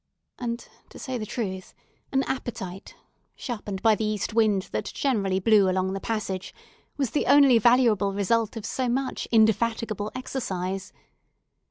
And, to say the truth, an appetite, sharpened by the east wind that generally blew along the passage, was the only valuable result of so much indefatigable exercise.